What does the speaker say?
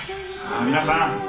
さあ皆さん